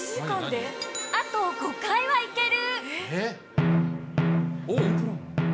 あと５回は行ける。